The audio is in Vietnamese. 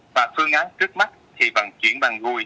và phương án trước mắt thì vận chuyển bằng gùi